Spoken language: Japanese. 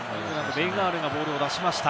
ベン・アールがボールを出しました。